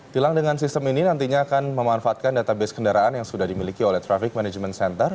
tilang dengan sistem ini nantinya akan memanfaatkan database kendaraan yang sudah dimiliki oleh traffic management center